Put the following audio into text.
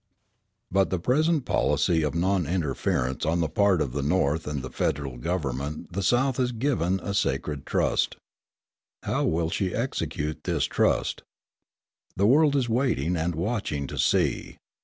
By the present policy of non interference on the part of the North and the federal government the South is given a sacred trust. How will she execute this trust? The world is waiting and watching to see.